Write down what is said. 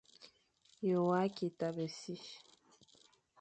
Ye wa ki tabe si ?